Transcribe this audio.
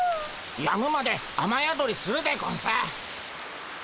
やむまで雨宿りするでゴンス。